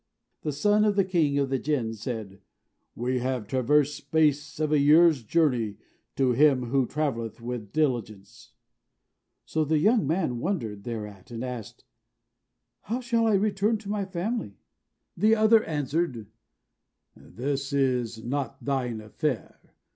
The son of the king of the Jinn said, "We have traversed a space of a year's journey to him who travelleth with diligence." So the young man wondered thereat, and asked, "How shall I return to my family?" The other answered, "This is not thine affair.